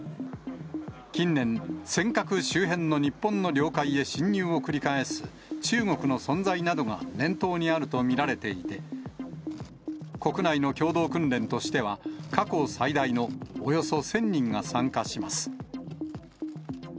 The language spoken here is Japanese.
近年、尖閣周辺の日本の領海へ侵入を繰り返す中国の存在などが念頭にあると見られていて、国内の共同訓練としては、過去最大のおよそ１０００人が参加します。